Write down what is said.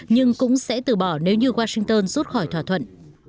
nhưng cũng sẽ từ bỏ nếu như washington rút khỏi thỏa thuận